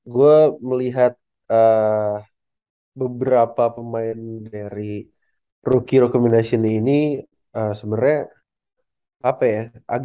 gue melihat beberapa pemain dari rookie rekomendasi ini sebenarnya apa ya